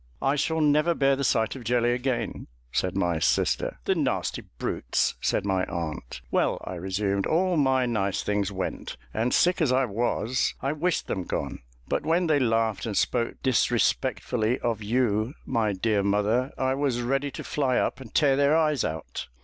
"I shall never bear the sight of jelly again," said my sister. "The nasty brutes!" said my aunt. "Well," I resumed, "all my nice things went; and, sick as I was, I wished them gone; but when they laughed and spoke disrespectfully of you, my dear mother, I was ready to fly up and tear their eyes out."